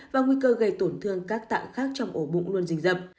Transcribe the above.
và nguy cơ gây tổn thương các tạng khác trong ổ bụng luôn dình dập